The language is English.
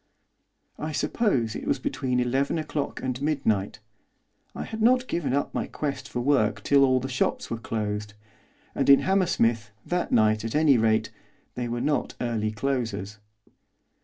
I suppose it was between eleven o'clock and midnight. I had not given up my quest for work till all the shops were closed, and in Hammersmith, that night, at any rate, they were not early closers.